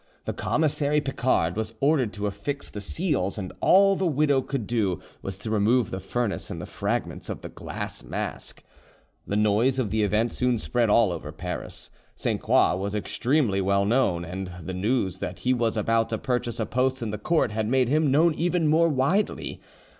The commissary Picard was ordered to affix the seals, and all the widow could do was to remove the furnace and the fragments of the glass mask. The noise of the event soon spread all over Paris. Sainte Croix was extremely well known, and the, news that he was about to purchase a post in the court had made him known even more widely.